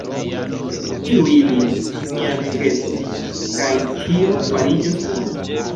Kuiru ilin, mia amiketo, kaj ĉio fariĝos bona.